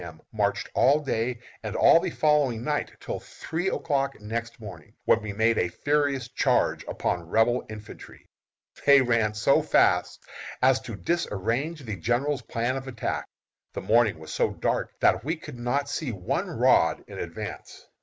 M., marched all day and all the following night, till three o'clock next morning, when we made a furious charge upon Rebel infantry. They ran so fast as to disarrange the general's plan of attack. The morning was so dark that we could not see one rod in advance.